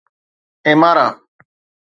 ايمارا